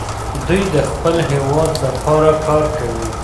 دوی د خپل هېواد لپاره کار کوي.